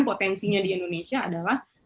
potensinya di indonesia adalah